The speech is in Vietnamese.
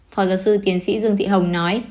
phó giáo sư tiến sĩ dương thị hồng nói